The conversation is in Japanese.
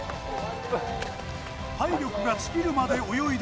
体力が尽きるまで泳いだ